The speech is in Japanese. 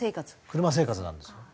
車生活なんですよ。